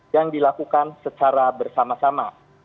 yang dilakukan secara bersama sama